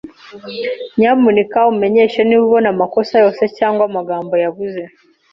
Nyamuneka umenyeshe niba ubona amakosa yose cyangwa amagambo yabuze.